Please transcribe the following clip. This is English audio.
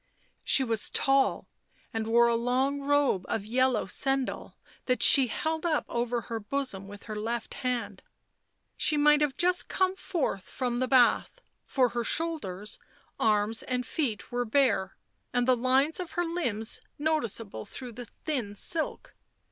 She was tall, and wore a long robe of yellow sendal that she held up over her bosom with her left hand. She might have just come forth from the bath, for her shoulders, arms and feet were bare, and the lines of her limbs noticeable through the thin silk.